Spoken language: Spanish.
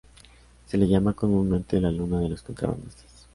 Se la llama comúnmente la "luna de los contrabandistas".